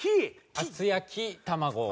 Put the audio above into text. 厚焼き卵を。